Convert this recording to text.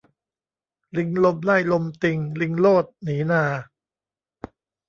ลิงลมไล่ลมติง ลิงโลด หนีนา